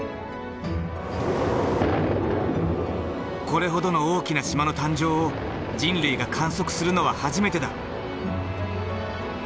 これほどの大きな島の誕生を人類が観測するのは初めてだ。